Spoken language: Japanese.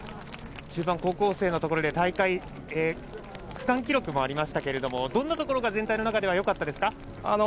中盤、高校生のところで区間記録もありましたけどどんなところが全体の中でよかったですか。